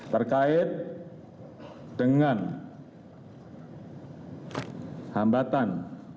terkait dengan hambatan